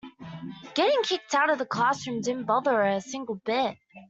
Getting kicked out of the classroom didn't bother her a single bit.